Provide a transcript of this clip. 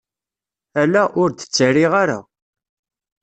Ala, ur d-ttarriɣ ara.